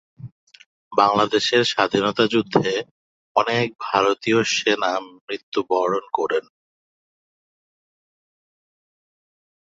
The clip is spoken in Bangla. বাংলাদেশের স্বাধীনতা যুদ্ধে অনেক ভারতীয় সেনা মৃত্যুবরণ করেন।